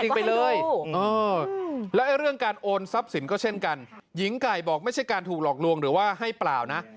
หญิงไก่ก็ให้ดูอ๋อและเรื่องการโอนทรัพย์ศิลป์ก็เช่นกันหญิงไก่บอกไม่ใช่การถูกหลอกลวงหรือว่าให้เปล่านะ